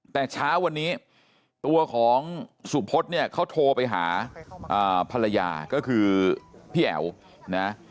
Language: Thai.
แต่เช้าวันนี้ตัวของสุพธเนี่ยเขาโทรไปหาภรรยาก็คือพี่แอ๋วนะ